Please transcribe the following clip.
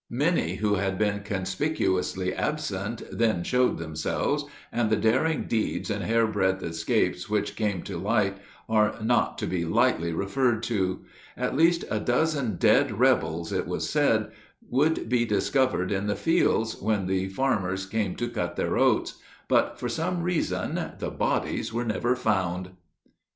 Many who had been conspicuously absent then showed themselves, and the daring deeds and hairbreadth escapes which came to light are not to be lightly referred to. At least a dozen dead rebels, it was said, would be discovered in the fields when the farmers came to cut their oats, but for some reason the bodies were never found.